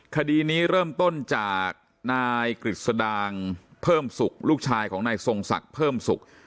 คดีนี้เริ่มต้นจากนายกฤษดางเพิ่มสุขลูกชายของนายทรงศักดิ์เพิ่มสุข